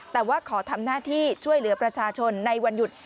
แต่ว่าขอทำหน้าที่ช่วยเหลือประชาชนในวันหยุด